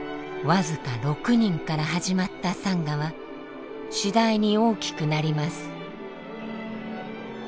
僅か６人から始まったサンガは次第に大きくなります。